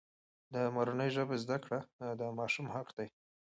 د مورنۍ ژبې زده کړه د ماشوم حق دی.